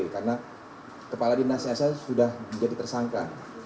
karena kepala dinasnya saya sudah menjadi tersangka